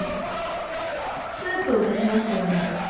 スープを出しましたよね。